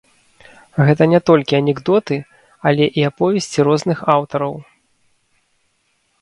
Гэта не толькі анекдоты, але і аповесці розных аўтараў.